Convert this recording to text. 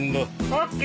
ＯＫ